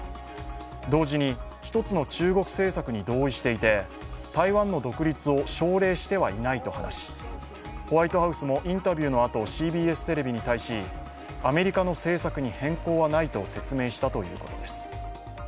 同時に一つの中国政策に同意していて台湾の独立を奨励してはいないと話し、ホワイトハウスもインタビューのあと、ＣＢＳテレビに対しアメリカの政策に変更はないと説明したということです。